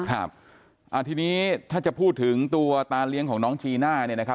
ครับอ่าทีนี้ถ้าจะพูดถึงตัวตาเลี้ยงของน้องจีน่าเนี่ยนะครับ